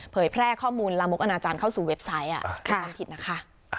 แพร่ข้อมูลลามกอนาจารย์เข้าสู่เว็บไซต์ความผิดนะคะ